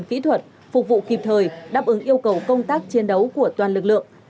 kỹ thuật phục vụ kịp thời đáp ứng yêu cầu công tác chiến đấu của toàn lực lượng